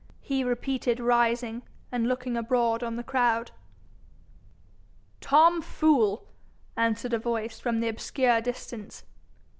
he repeated, rising, and looking abroad on the crowd. 'Tom Fool,' answered a voice from the obscure distance.